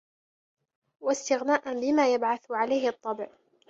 وَاسْتِغْنَاءً بِمَا يَبْعَثُ عَلَيْهِ الطَّبْعُ